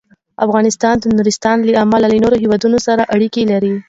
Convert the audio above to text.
افغانستان د نورستان له امله له نورو هېوادونو سره اړیکې لري.